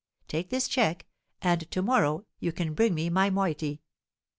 Take this cheque, and to morrow you can bring me my moiety."